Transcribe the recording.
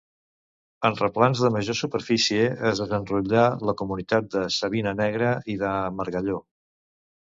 En replans de major superfície, es desenrotlla la comunitat de savina negra i de margalló.